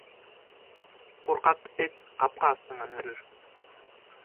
Курҡаҡ эт ҡапҡа аҫтынан өрөр